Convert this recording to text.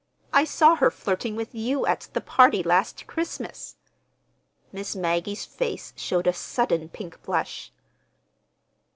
I saw her flirting with you at the party last Christmas!" Miss Maggie's face showed a sudden pink blush.